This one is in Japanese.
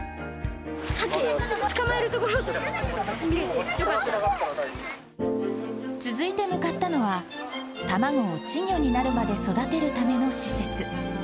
サケを捕まえるところとかが続いて向かったのは、卵を稚魚になるまで育てるための施設。